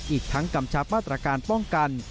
อีกทั้งกำชับมาตรการป้องกัน